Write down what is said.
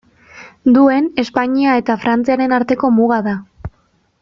Duen Espainia eta Frantziaren arteko muga da.